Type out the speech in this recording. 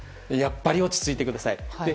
やっぱり落ち着いてください。